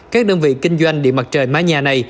các đơn vị kinh doanh điện mặt trời mái nhà này